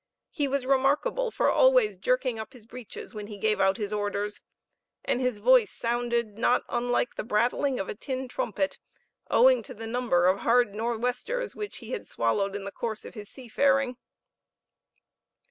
He was remarkable for always jerking up his breeches when he gave out his orders, and his voice sounded not unlike the brattling of a tin trumpet, owing to the number of hard north westers which he had swallowed in the course of his seafaring.